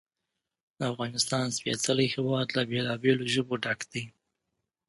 د افغانستان سپېڅلی هېواد له بېلابېلو ژبو ډک دی.